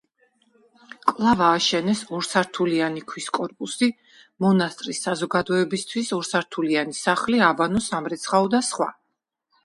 კვლავ ააშენეს ორსართულიანი ქვის კორპუსი, მონასტრის საზოგადოებისთვის ორსართულიანი სახლი, აბანო, სამრეცხაო და სხვა.